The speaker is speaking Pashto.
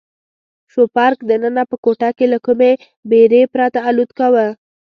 شوپرک دننه په کوټه کې له کومې بېرې پرته الوت کاوه.